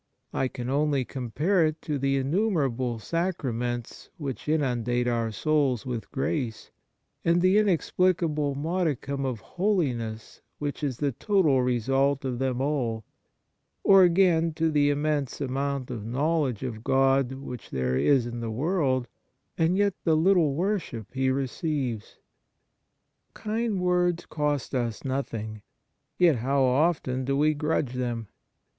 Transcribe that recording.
I can only compare it to the innumerable sacraments which inundate our souls with grace, and 72 Kindness the inexplicable modicum of holiness which is the total result of them all, or, again, to the immense amount of knowledge of God which there is in the world, and yet the little worship He receives. Kind words cost us nothing, yet how often do we grudge them